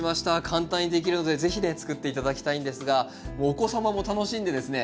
簡単にできるので是非ねつくって頂きたいんですがお子様も楽しんでですね